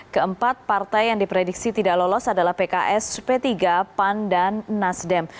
keempat partai yang diprediksi tidak lolos adalah pks p tiga pan dan nasdem